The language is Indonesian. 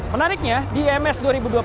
menariknya di ims dua ribu dua puluh tiga